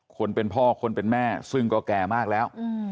คนเป็นพ่อคนเป็นแม่ซึ่งก็แก่มากแล้ว